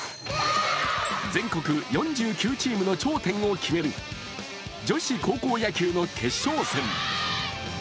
全国４９校の頂点を決める女子高校野球の決勝戦。